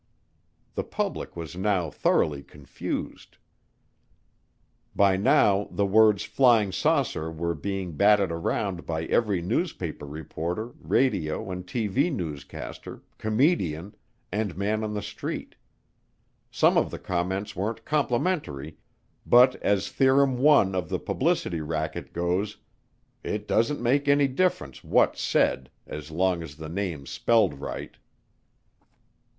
The public was now thoroughly confused. By now the words "flying saucer" were being batted around by every newspaper reporter, radio and TV newscaster, comedian, and man on the street. Some of the comments weren't complimentary, but as Theorem I of the publicity racket goes, "It doesn't make any difference what's said as long as the name's spelled right."